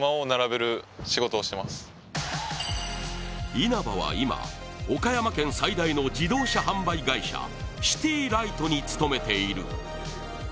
稲葉は今、岡山県最大の自動車販売会社シティライトに勤めている。